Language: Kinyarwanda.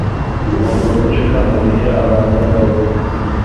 Ugomba guceceka mugihe abantu bavuga